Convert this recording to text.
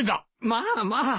まあまあ。